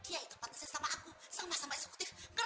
dia itu partnersnya sama aku sama sama eksekutif ngerti kamu